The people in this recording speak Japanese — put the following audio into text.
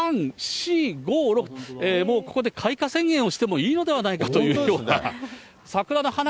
もうここで開花宣言をしてもいいのではないかというような。